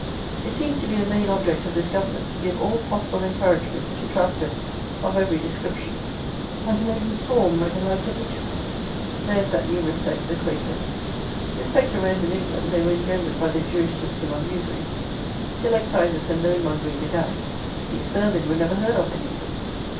It seems to be the main object of this government to give all possible encouragement to traffickers of every description, and to make them swarm like the lice of Egypt. There is that numerous sect, the Quakers. This sect arose in England: they were engendered by the Jewish system of usury. Till excises and loanmongering began, these vermin were never heard of in England.